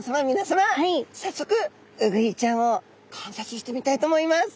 さっそくウグイちゃんを観察してみたいと思います。